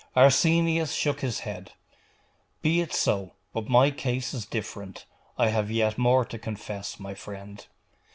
Arsenius shook his head. 'Be it so. But my case is different. I have yet more to confess, my friend.